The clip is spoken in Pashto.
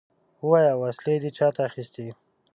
ووايه! وسلې دې چاته اخيستې؟